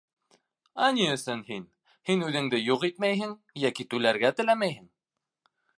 Ә ни өсөн һин, һин үҙеңде юҡ итмәйһең йәки түләргә теләмәйһең?